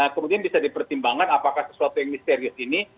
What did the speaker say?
kemudian bisa dipertimbangkan apakah sesuatu yang misterius ini